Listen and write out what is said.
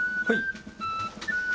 はい。